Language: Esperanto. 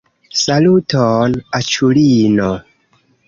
Saluton aĉulino